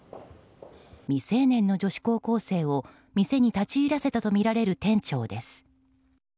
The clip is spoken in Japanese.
未成年の女子高校生を店に立ち入らせたとみられる店長です。